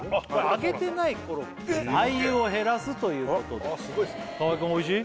揚げてないコロッケ廃油を減らすということで河井君おいしい？